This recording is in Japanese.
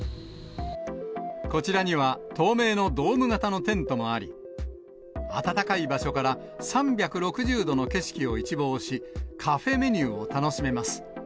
こちらには、透明のドーム型のテントもあり、暖かい場所から３６０度の景色を一望し、カフェメニューを楽しめます。